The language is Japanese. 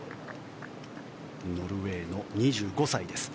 ノルウェーの２５歳です。